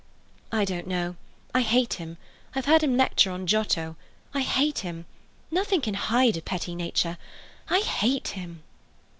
"I don't know. I hate him. I've heard him lecture on Giotto. I hate him. Nothing can hide a petty nature. I hate him."